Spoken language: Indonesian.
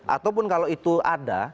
ataupun kalau itu ada